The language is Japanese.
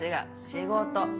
仕事。